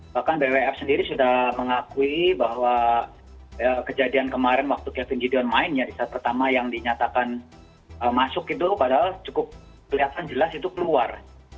bahkan bwf sendiri sudah mengakui bahwa kejadian kemarin waktu kevin gideon main ya di set pertama yang dinyatakan masuk itu padahal cukup kelihatan jelas itu keluar